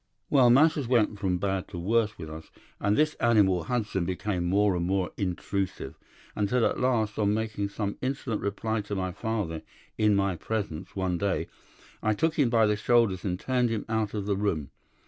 "'Well, matters went from bad to worse with us, and this animal Hudson became more and more intrusive, until at last, on making some insolent reply to my father in my presence one day, I took him by the shoulders and turned him out of the room.